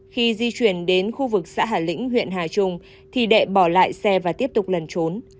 khi di chuyển đến khu vực xã hà lĩnh huyện hà trung thì đệ bỏ lại xe và tiếp tục lần trốn